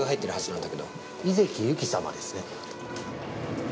井関ゆき様ですね。